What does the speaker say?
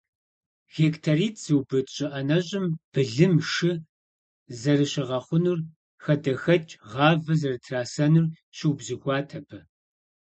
Гектаритӏ зыубыд щӏы ӏэнэщӏым былым, шы зэрыщигъэхъунур, хадэхэкӏ, гъавэ зэрытрисэнур щиубзыхуат абы.